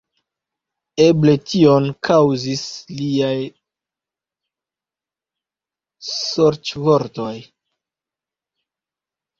Eble tion kaŭzas liaj sorĉvortoj.